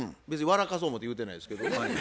別に笑かそ思うて言うてないですけど。